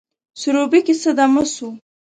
سروبي کښي څه دمه سوو